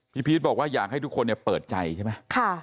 พี่พีชบอกว่าอยากให้ทุกคนเนี่ยเปิดใจใช่ไหมค่ะ